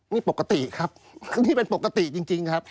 นี่ปกติครับนี่เป็นปกติจริงครับ